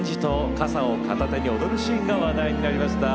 傘を片手に踊るシーンが話題になりました。